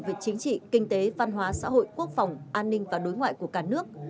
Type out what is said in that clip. về chính trị kinh tế văn hóa xã hội quốc phòng an ninh và đối ngoại của cả nước